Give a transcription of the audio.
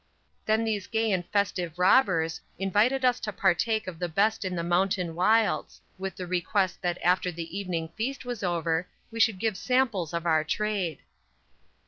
Then these gay and festive robbers invited us to partake of the best in the mountain wilds, with the request that after the evening feast was over we should give samples of our trade.